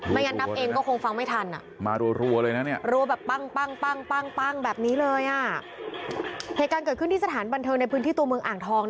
มันยันดับเองก็คงฟังไม่ทัน